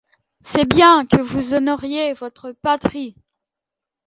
C'est bien que vous honoriez votre patrie.